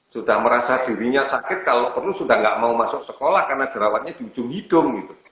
sudah merasa dirinya sakit kalau perlu sudah tidak mau masuk sekolah karena jerawatnya di ujung hidung